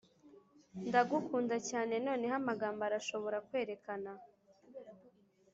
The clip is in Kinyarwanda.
ndagukunda cyane noneho amagambo arashobora kwerekana